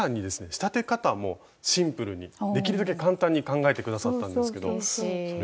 仕立て方もシンプルにできるだけ簡単に考えて下さったんですけどそれがねこちらなんですが。